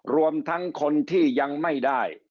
รวมทั้งคนที่ยังไม่ได้